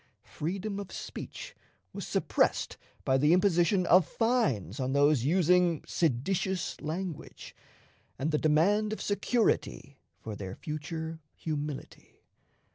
Freedom of speech was suppressed by the imposition of fines on those using "seditious" language, and the demand of security for their future humility.